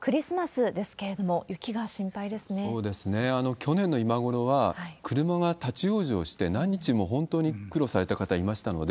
去年の今頃は車が立ち往生して、何日も本当に苦労された方いましたので、